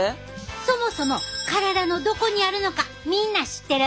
そもそも体のどこにあるのかみんな知ってる？